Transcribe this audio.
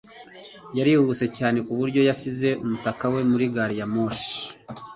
yarihuse cyane ku buryo yasize umutaka we muri gari ya moshi